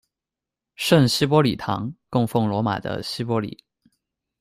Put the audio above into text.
圣希玻里堂，供奉罗马的希玻里。